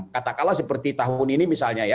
katakanlah seperti tahun ini misalnya ya